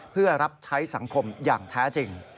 เพื่อรับใช้สังคมอย่างแท้จริง